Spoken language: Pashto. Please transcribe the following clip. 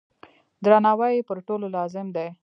درناوی یې پر ټولو لازم دی.